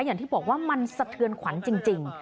อย่างที่บอกว่ามันสะเทือนขวัญจริง